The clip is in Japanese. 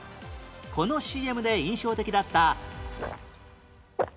この ＣＭ で印象的だった